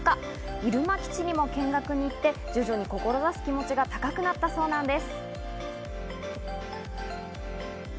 入間基地にも見学に行って、徐々に志す気持ちが高くなったんです。